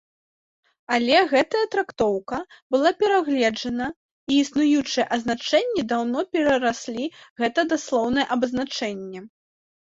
Але гэтая трактоўка была перагледжана і існуючыя азначэнні даўно перараслі гэта даслоўнае абазначэнне.